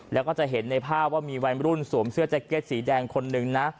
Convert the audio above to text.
แล้วก็จะเห็นในภาพว่ามีวัยรุ่นสวมเสื้อแจ็คเก็ตสีแดงคนนึงนะ